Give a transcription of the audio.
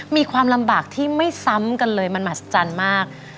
มีความลำบากที่ไม่ซ้ำกันเลยมันมหัศจรรย์มาก